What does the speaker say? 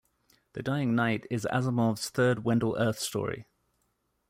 "The Dying Night" is Asimov's third Wendell Urth story.